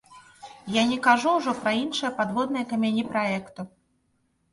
Я не кажу ўжо пра іншыя падводныя камяні праекту.